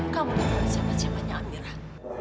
kamu tidak perlu kesiapan sesiapannya amirah